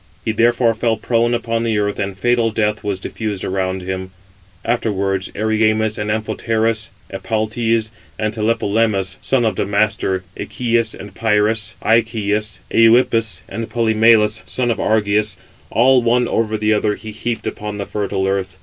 He therefore fell prone upon the earth, and fatal death was diffused around him. Afterwards Erymas, and Amphoterus, Epaltes, and Tlepolemus, son of Damastor, Echius and Pyris, Icheus, Euïppus, and Polymelus, son of Argeus, all one over the other he heaped upon the fertile earth.